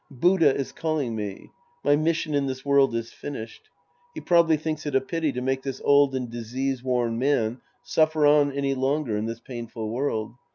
Buddha is calling me. My mission in this world is finished. He probably thinks it a pity to make this old and disease worn man suffer on any longer in this painful world.